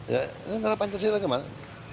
ini negara pancasila gimana